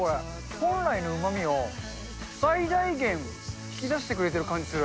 本来のうまみを最大限引き出してくれてる感じする。